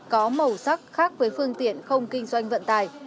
có màu sắc khác với phương tiện không kinh doanh vận tải